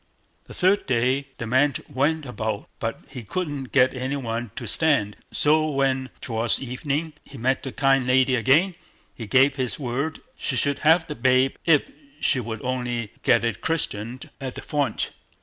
The third day, the man went about, but he couldn't get any one to stand; and so when, towards evening, he met the kind lady again, he gave his word she should have the babe if she would only get it christened at the font.